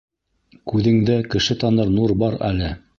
— Күҙеңдә кеше таныр нур бар әле.